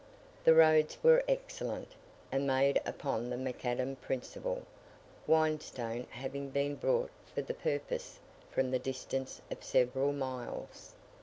The roads were excellent, and made upon the MacAdam principle, whinstone having been brought for the purpose from the distance of several miles.